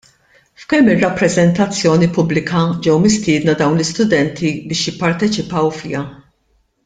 F'kemm-il rappreżentazzjoni pubblika ġew mistiedna dawn l-istudenti biex jippartecipaw fiha?